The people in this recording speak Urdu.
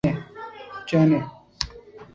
چینّے